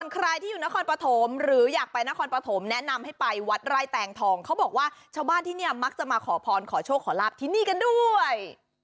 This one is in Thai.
ใครที่อยู่นครปฐมหรืออยากไปนครปฐมแนะนำให้ไปวัดไร่แตงทองเขาบอกว่าชาวบ้านที่นี่มักจะมาขอพรขอโชคขอลาบที่นี่กันด้วย